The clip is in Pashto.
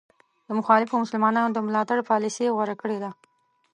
د مخالفو مسلمانانو د ملاتړ پالیسي غوره کړې ده.